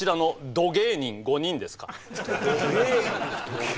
「ど芸人」。